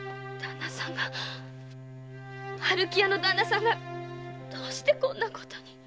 春喜屋のダンナさんがどうしてこんなことに！